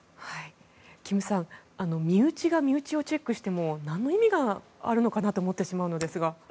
金さん身内が身内をチェックしてもなんの意味があるのかなと思ってしまうんですが。